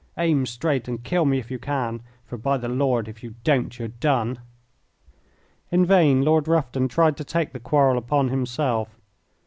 Aim straight and kill me if you can, for by the Lord if you don't, you're done." In vain Lord Rufton tried to take the quarrel upon himself.